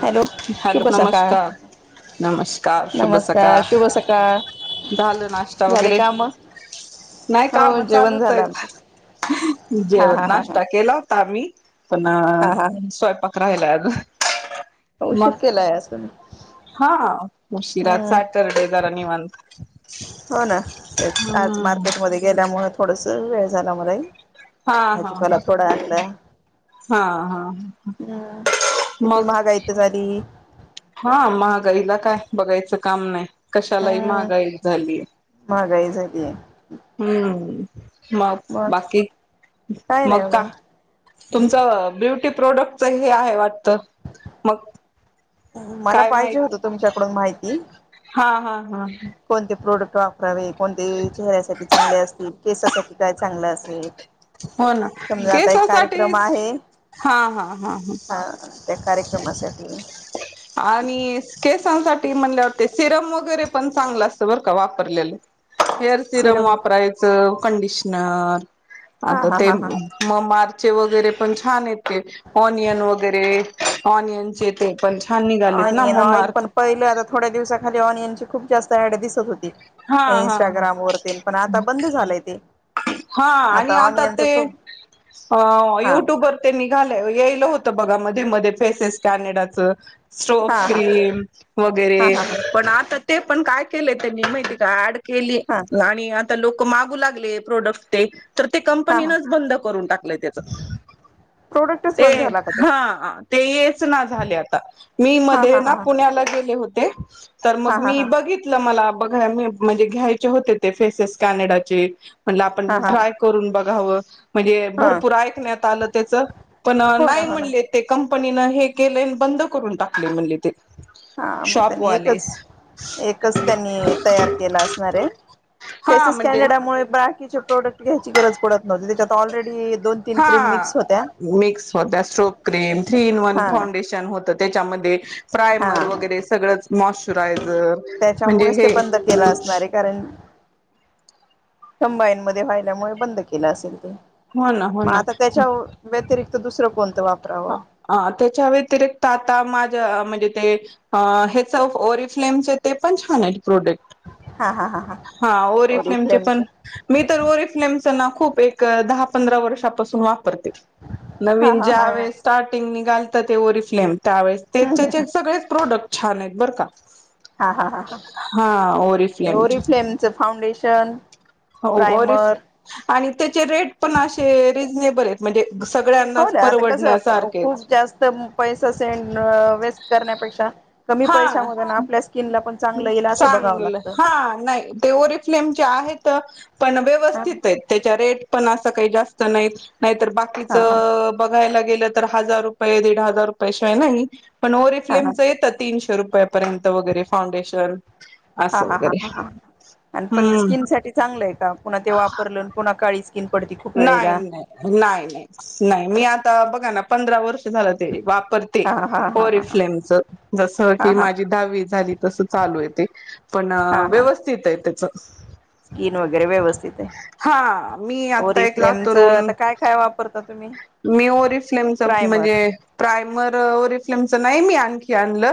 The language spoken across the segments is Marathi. हॅलो हॅलो शुभ सकाळ नमस्कार नमस्कार शुभ नमस्कार सकाळ शुभ सकाळ झालं नाश्ता झाले वगैरे? का मग नाय हो काम जेवण झालं चालूचयत. आमचं हा हा जेवण हा हा नाश्ता केलात? तामी पुन्हा हा हा स्वयंपाक राहिलाय अजून. उशीर मग, केलाय आज तुम्ही हा. उशिरा आज हम्म सॅटर्डे निवांत. हो ना, तेच आज हम्म मार्केटमध्ये गेल्यामुळे थोडसं वेळ झाला मलाही. हा हा भाजीपाला थोडा आणला. हा हा हा. हम्म किती मग? महागाई तर झाली हा महागाईला काय, बघायचं. काम नाही कशालाही हम्म महागाई झालीये [unintelligible] हम्म. मग बाकी? नाही मग काय? बघा तुमचं ब्युट टी प्रोडक्टचं हे आहे वाटत. मग मला काय पाहिजे माहित होत तुमच्याकडून माहिती हा हा हा कोणते प्रोडक्ट वापरावे? कोणते चेहऱ्यासाठी चांगले असतील? केसासाठी काय चांगलं असेल? हो ना समजा आता एक केसासाठी कार्यक्रम आहे हा हा ह हा त्या कार्यक्रमासाठी. आणि केसांसाठी म्हणल्यावर ते सिरम वगैरे पण चांगलं असत, बरं का वापरलेलं. हेअर सिरम वापरायचं. कंडिशनर हा आता हा ते हा हा म वगैरे पण छान ते, ऑनियन वगैरे ऑनियनचे ते पण छान निघालेत ना ऑनियन मग ऑइल, मार्क पण पहिल आता थोड्या दिवसाखाली ऑनियन खूप जास्त ॲड दिसत होती, हा त्या हा इंस्टाग्राम वरती पण आता बंद झालंय ते. हा आणि आता ते ऑनियनच खूप अ, हा युट्यूब वर ते निघाले यायल होत. तर बघा, मध्ये, मध्ये, फेसेस कॅनडाचं हा स्ट्रॉप हा क्रीम, हा वगैरे हा हा पण आता ते पण काय केलंय त्यांनी, माहितीए का, ऍड केली हा आणि आता लोक मागू लागले प्रोडक्ट ते तर ते हा हा कंपनीनच बंद करून टाकलंय त्याच प्रोडक्ट ते. हा ते येच ना झाले आता, मी हा मध्ये हा ना हा पुण्याला गेले होते. तर मग हा हा मी हा बघितलं, मला बघा मी म्हणजे घ्यायचे होते ते फेसेस कॅनेडाचे. म्हणलं, आपण हा हा ट्राय करून बघावं. म्हणजे हा भरपूर ऐकण्यात आलं त्याच, पण हो ना नाही हो ना म्हणले ते कम कंपनी ने हे केले बंद करून टाकलय म्हणले ते. हा मग त्यांनी शॉपवाले एकच, एकच त्यांनी तयार केला असणार आहे. हा फेसेस म्हणजे कॅनडामुळे बाकीचे प्रोडक्ट घ्यायची गरज पडत नव्हती, त्याच्यात ऑलरेडी दोन तीन हा क्रीम मिक्स होत्या मिक्स होत strobe cream, three in one हा फाउंडेशन. होत तेच्यामध्ये. हा प्रायमर हा वगैरे सगळंच मॉशचरायझर म्हणजे त्याच्यामुळेच हे कम्बाईन मध्ये व्हायल्यामुळे बंद केलं असेल. हो ना हो मग ना आता त्याच्या व्यतिरिक्त दुसरं कोणतं वापर हा त्याच्या व्यतिरिक्त, आता माझ्या म्हणज ह याचं ओरिफ्लेम चे ते पण छान आहे. प्रोडेक्ट हा हा हा हा ओरिफ्लेमचे पण मी तर, ओरिफ्लेमच ना खूप एक दहा, पंधरा, वर्षापासून वापरते हा नविन हा ज्या हा हा वेळेस कटिंग नि घालत ते, ओरिफ्लेम त्यावेळेस ते त्याचे सगळेच प्रोडक्ट छान आहेत बरं का. हा, हा, हा, ह हा आणि ओरिफ्लेमची ओरिफ्लेमच फाउंडेशन हो प्रायमर वरिफ आणि त्याचे रेट पण असे रिझनेबल आहेत. म्हणजे हो सगळ्यांनाच ना आता परवडण्यास कसं खूप जास्त पैसा सेंड अ वेस्ट करण्यापेक्षा कमी पैशा हा मधे, आपल्या स्किनला पण चांगलं येईल असं बघावं चांगलं. लागतं हा नाही ते, ओरिफ्लेमचे आहेत. पण हा व्यवस्थित आहेत. त्याच्या रेट पण असं काही जास्त नाहीत. नाहीतर बाकीच हा हा बघायला गेलं तर, हजार रुपये दीड हजार रुपयाशिवाय नाही. पण ओरीे हा हा फ्लेमचं येत तीनशे रुपया पर्यंत. 'फाउंडेशन' असं हा हा वगैरे हा हा आणि पण हम्म. स्किन साठी चांगलं आहे का पुन्हा ते वापरलं, पुन्हा काळी स्किन पडती खूप नाही वेळेला हा नाही, नाही नाही, नाही मी आता बघा ना पंधरा वर्ष झालं ते वापरते. हा हा हा हा 'ओरिफ्लेम ' च जस हा की हा माझी दहावी झाली तस चालू आहे ते पण हा हा व्यवस्थित आहे त्याच. स्किन वगैरे व्यवस्थित आहे. हा मी आता ओरी एक फ्लेमच लातूरून आता काय काय वापरत मी ओरिफ्लेमच म्हणजे, प्रायमर ओरि ओरिफ्लेम नाही मी आणखी आणल,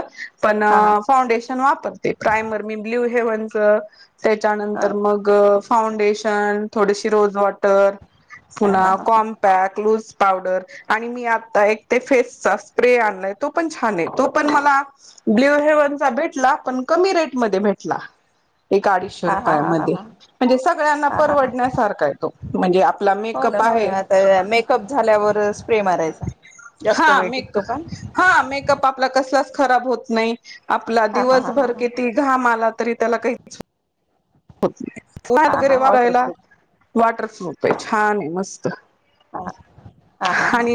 पण हा हा फॉउंडेशन वापरते प्रायमर मी ब्ल्यू हेवन च हा त्याच्यानंतर मग फाउंडेशन, थोडीशी रोज वॉटर तर हा हा पुन्हा हा कॉमपॅक लूस पावडर आणि मी आता एक ते फेसचा स्प्रे आणलाय तो पण छान आहे तो पण मला ब्ल्यू हेव्हनचा भेटला पण कमी रेटमध्ये भेटला एक अडीचशे हा हा हा हा रुपयामध्ये म्हणजे सगळ्यांना हा हा हा परवडण्यासारखा आहे तो म्हणजे आप हो ना हो ना आता मेकअप झाल्यावरच हा मेक का? हा मेकअप आपला कस असत खराब होत नाही आपला हा हा हा हा दिवसभर ह किती घाम आला तरी त्याला काहीच हो नाहीय हा वगैरे हा वारायला वॉटरप्रूफ वॉटरफ्रुफ आहे छान आहे मस्त. हा हा हा हा.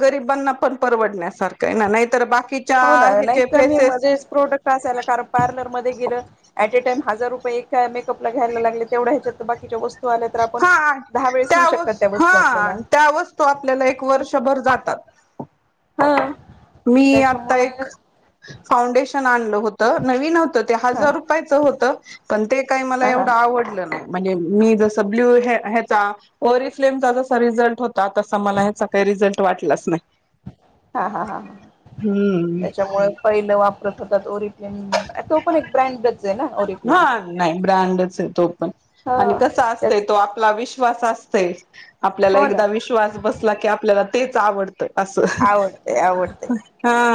गरीबांना पण परवडण्यासारख ना नाहीतर बाकी, हो ना नाही तर मी मध्येच प्रोडक्ट असायला क कारण पार्लरमध्येध्ये गेलं ऐ एक टाईम हजार रुपये एका मेकअपला घ्यायला लागले तेवढ्याहेजात बाकीच्या वस्तू आल्या तर आपण हा दहा वेळेस होऊ त्या शकतात वसू वस्तू आपल्याला हा त्या वस्तू आपल्याला एक वर्षभर जातात ह [inaudible] मी आता एक फउंडेश, टन आणलं होत नवीन होत ते हा हजार हा रुपयाच होत पण ते काही मला हा एवढं आवडलं नाही. म्हणजे मी जस ब्ल्यूहे हेचा ओरि फ्लेम चा जसा रिझल्ट होता. ता तसा मला ह्याचा काही रिझल्ट वाटलाच नाही हा हा हा हम्म त्याच्यामुळे पहिलं वापरत होतात ओरी तो पण एक ब्रँडच आहे ना हा ओरिफ्लेमचा नाही ब्रँडच आहे तो पण ह आणि कसा असतय त्याच तो आपला विश् विश्वास असतय आपल्याला हो ना एकदा विश्वास बसला की आपल्याला तेच आवडतं असं आवडते आवडते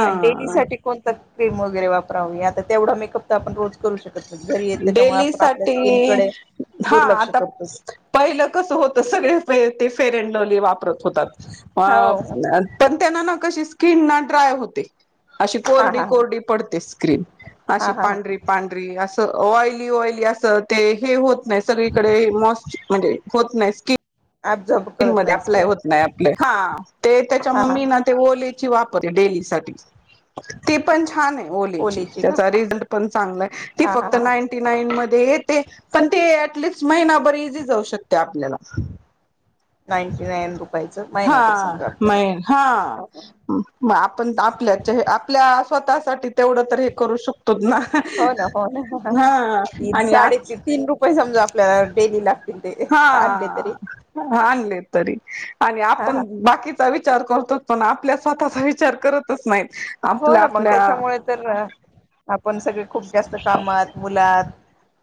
आणि डेली साठी कोणत क्रीम वगैरे वापरावी यात तर तेवढा मेकअप तर आपण रोज करू शकत नाही घरी येत त्याच्यामुळे डेली आपण आपल्या साठी स्किनकडे हा दुर्लक्ष आता करतो पहिलं कस होत सगळे पेस्ट फेअर अड लवली वापरत होतात हो पण त्यांन ना कशी किनना ड्राय होते अशी हा कोरडी हा हा कोरडी पडते स्क्रीन हा अशी हा पांढरी हा पांढरी अस ऑली ऑली अस ते हे होत नाही सगळीकडे मस् म्हणजे होत नाही स्किन ऍब्झॉर्ब करत क्रीममुलेच नाही अप्लाय स्किन होत नाही आपलं हा ते हा त्याच्यामुले हा मी ना ते ओली हि वापर डेली साठी हम ती पण छान आहे ओलीची त्याचा रिझल्ट पण चांगला आहे ती हा हा फक्त हा नाईंटी नाईन मध्ये ते ते पण ते आतलिस्ट महिना बर इझी जाऊ शकते आपल्याला. नाईनटी नाईन रुपये. हा मेन हा आपण आपल्याचेह आपल्या स्वतःसाठी तेवढं त हे करू शकतो ना हो ना हो ना हा आणि आज आपल्या डेलीला हा आणले तरी आणि हा आपण हा बाकीचा विचार करू पण आपल्या स्वतःचा विचार करतच नाही. हो ना मग त्याच्यामुळे तर आपण सगळे खूप जास्त कामात मुलात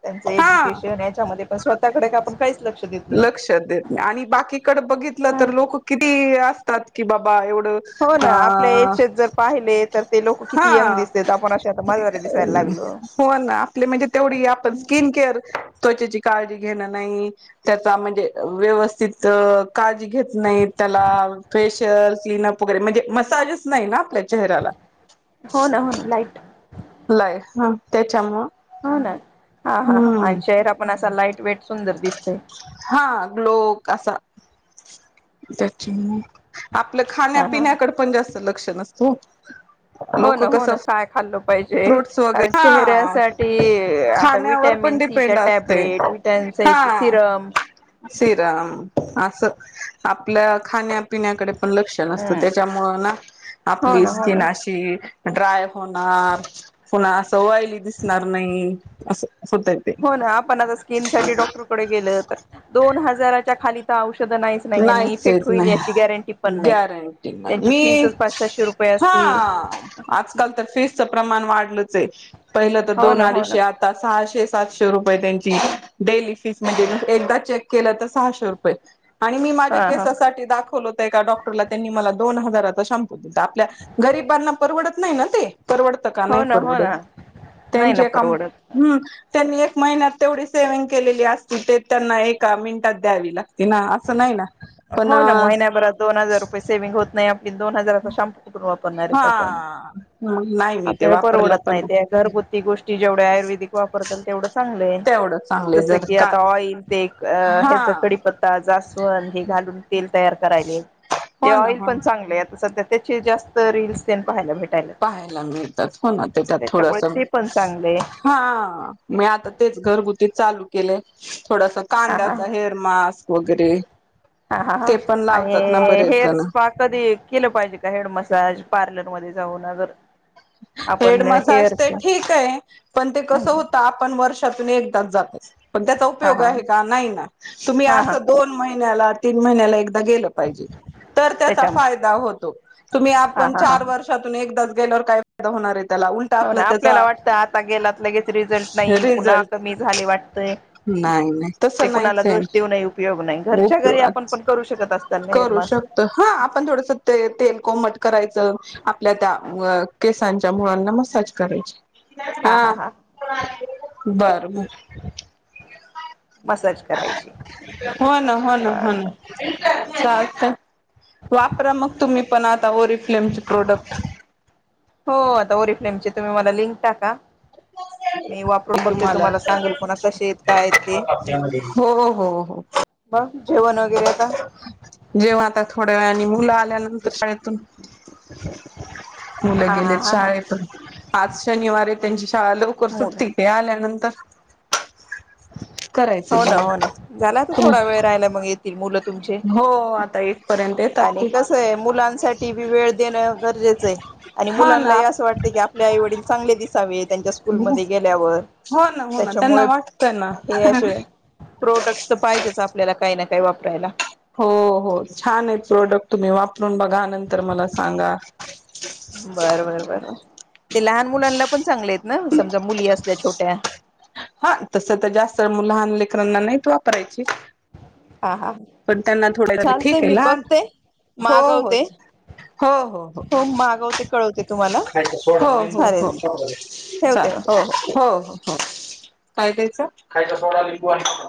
त्यां हा एज्युकेशन याच्या पण स्वतःकडे का आपण काहीच लक्ष देत नाहीत. लक्षात देत नाही आणि बाकीकडे बघितलं तर लोक किती असतात की बाबा एवढं हो ह ना आपल्या एजचे जर पाहिले तर ते लोक हा किती यंग हा दिसतेत आपण असे आता म्हातारे दिसायला लागलो. हो ना आपली म्हणजे तेवढी आपण स्किन केअर त्वचेची काळजी घेणं नाही त्याचा म्हणजे व्यवस्थित काळजी घेत नाहीत त्याला फेशियलस स्किन अप वगैरे म्हणजे मसाजच नाही ना आपल्या चेहऱ्याला हो ना हो ना लाईट. लाय हा त्याच्यामुळ हो हा हा हा चेहरा पण असा लाट वेट सुंदर दिसतोय. हा ग्लो कसा त्याची, आपलं हा हा खाण्यापिण्याकडं पण जास्त लक्ष नसतं ओ. हो ना. हो ना. काय खाल्ल पाहिज जे फ्रूट्स कारण वगैरे हा चेहऱ्यासाठी आपण खाण्यावर पण विटमिन सी च्या डिपेंड असते टॅबलेट, विटमिन सी हा च [unintelligible] सिरम सिरम अस आपल्या खाण्यापिण्याकडे पण लक्ष नसतं हम्म त्याच्यामुळं ना, हो आपली ना हो स्किन ना अशी ड्राय होणार. पुन्हा असं ऑयली दिसणार नाही असं. होतय ते हो ना, आपण आता स्किन साठी डॉक्टरकडे गेल तर दोन हजाराच्या खाली तर औष [unintelligible] आणि नाहीच इफेक्ट येत होईल याची गॅरंटी नाही पण नाही, गॅरंटी त्यांची फिस च पाच-सहाशे रूपये असती. [unintelligible] आज काल तर फीज च प्रमाण वाढलं चे पहिला तर हो दोन ना हो ना अडीशे आता सहाशे, सातशे रुपये त्यांच डेली फीस मधील म्हणजे एकदा चेक केलं तर सहाशे रुपये. आणि मी माझ्या हा हा केसासाठी दाखवलो एका डॉक्टरला त्यांनी मला दोन हजाराचा शॅम्पू दिलता, आपल्या गरीबांना परवडत नाही ना ते. परवडतं का? हो नाही ना हो परवडत, ना नाही ना त्यांचे काम परवडत हम्म त्यांनी एक महिन्यात तेवढी सेविंग केलेली असती, ते त्यांना एका मिनिटात द्यावी लागती ना. नाही ना पण हो ना. महिन्याभरात दोन हजार रुपये सेविंग होत नाही आपली, दोन हजारचा शॅम्पो कुटून वाप हा देणारेत आपण, मग नाही मी ते आपल्याला वापरला परवडत नाही पण त्या घरगुती गोष्टी जेवढं आयुर्वेदिक वापरताल तेवढं चांगलंय. तेवढं चांगले जस जर की का आता [unintelligible] हा हेचा कडीपत्ता जा जास्वंद हे घालून तेल तयार करायले, हे हो ना ऑइल हो पण ना चांगलेत आता सध्या त्याचे जास्त रील्स पण पाहायला भेट पाहायला मिळतात हो ना. त्याच्यात त्याच्यामुळे थोडस ते पण चांगले हा म आता ते घरगुती चालू केले थोडास हा हा कांद्याचा हेअर मास्क वगैरे हा हा हा ते पण आणि लावतात ना बरेच हेअर जण स्पा कधी केलं पाहिजे का? हेड मसाज पार्लरमध्ये जाऊन अगर हेड आपण मसाज ते हेअरच्या ठीक आहे, पण ते कस होत आपण वर्षात तुन एकदाच जातो पण त्याचा हा उपयोग हा आहे का? नाही ना तुम्ही हा हा असं दोन महिन्याला तीन महिन्याला एक म गेलं तर त्याचा त्याच्या फायदा होतो, तुम्ही हा आपण हा हा चार वर्षातून एकदा ज गेल्यावर काय [unintelligible] होणार आहे हो ना. आपल्याला त्याचा वाटतं आता गेलात लगेच रिझल्ट नाही, पुन्हा रिझल्ट कमी झाले वाटतय नाही नाही ते तसं कुणाला नाहीच आहे दोष देऊनही उपयोग नाही, घरच्या घरी आपण उपयोगात पण करू शकत असत ना हेअर मास्क? [unintelligible] हा, आपण थोडसं ते तेल कोमट करायचं आपल्या त्या अ केसांच्या मुळांना मसाज करायची, हा बर. हर मसाज करायची हो न हो न हो बर बर ना अच्छ अच्छा वापरा मग तुम्ही पण आता ओरिफ्लेमचे प्रोडक्ट हो आता ओरीफ्लेमचे तुम्ही मला लिंक टाका मी वापरून बघते तुम्हाला सांगेल पुन्हा कसे आहेत काय आहेत ते हो हो हो ब जेवण वगैरे आता जेव्हा आता थोड्या वे आणि मुलं आल्यानंतर शाळेतून मुलं हा हा गेलेत हा हा शाळेत पाच शनिवार त्यांची च लवकर मुलं सुट्ट ते आल्यानंतर करायचं हो ना हो ना जेवण झाला तर थोडा वेळ राहिला मग तिमुूलं तुमचे हो आता एक पर्यंत येतात आणि ते कस आहे मुलांसाठी बी वेळ देणं गरजेचं आहे आणि हा ना मुलांनाही असं वाटत क आपल्या आईवडील चांगले दिस त्यांच्या स्कूलमध्ये गेल्यावर हो ना हो ना त्याच्यामुळे त्यांना वाटतंय ना हे अशिय प्रोडक्ट तर पाहिजेच आपल्याला काही ना काही वापरायला हो हो छान आहे प्रोडक्ट तुम्ही वापरून बघा नंतर मला सांगा बर बर बर ते लहान मुलांना पण चांगले ना समजा मुली असल्या छोट्या हा तसं तर जास्त लहान लेकरनांना नाहीत वापरायची हा हा पण त्यांना थोड चालतय ठीक आहे मी लाल बघते हो हो मागवते हो हो मागवते कळवते तुम्हाला हो हो हो चालेल हो चाल हो हो हो काय क्यायचं खायचा सोडा लिंबू आहे